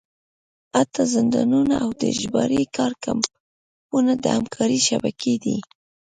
حتی زندانونه او د اجباري کار کمپونه د همکارۍ شبکې دي.